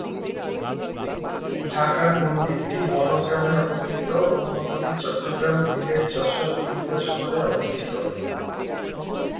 ঢাকার মন্দিরটি বনগ্রামে অবস্থিত; অন্যগুলি চট্টগ্রাম, সিলেট, যশোর, কুমিল্লা শহরে অবস্থিত।